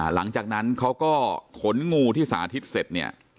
หลังจากนั้นเขาก็ขนงูที่สาธิตเสร็จเนี่ย